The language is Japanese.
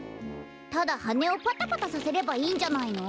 ただはねをパタパタさせればいいんじゃないの？